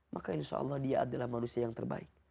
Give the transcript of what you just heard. maka insya allah dia adalah manusia yang terbaik